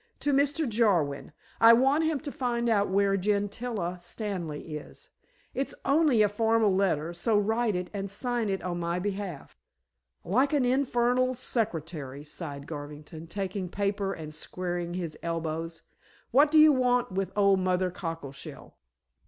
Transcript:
"To Mr. Jarwin. I want him to find out where Gentilla Stanley is. It's only a formal letter, so write it and sign it on my behalf." "Like an infernal secretary," sighed Garvington, taking paper and squaring his elbows. "What do you want with old Mother Cockleshell?"